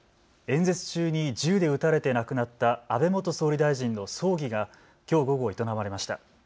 演説中に銃で撃たれて亡くなった安倍元総理大臣の葬儀がきょう午後、営まれました。